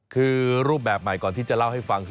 คือรูปแบบใหม่ก่อนที่จะเล่าให้ฟังคือ